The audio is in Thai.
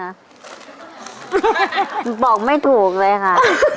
บอกไม่ถูกเลยค่ะ